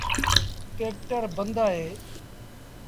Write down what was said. ٽيڪٽر بند اهي۔